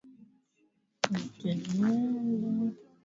ya wakati kesi ya mauaji mtetezi wa haki za binadamu nchini humo